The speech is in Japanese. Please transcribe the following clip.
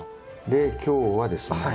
で今日はですね